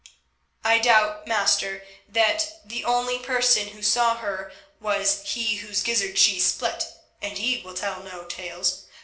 "I doubt, master, that the only person who saw her was he whose gizzard she split, and he will tell no tales.